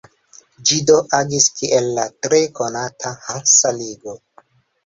Ĝi do agis kiel la tre konata Hansa ligo.